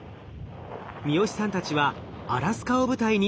三好さんたちはアラスカを舞台に観測に挑みました。